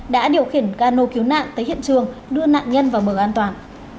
đã điều khiển cano cứu nạn tới hiện trường đưa nạn nhân vào bờ an toàn